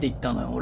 俺。